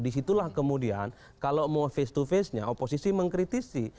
disitulah kemudian kalau mau face to face nya oposisi mengkritisi